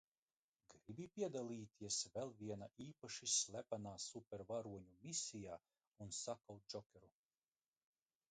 Gribi piedalīties vēl vienā īpaši slepenā supervaroņu misijā un sakaut Džokeru?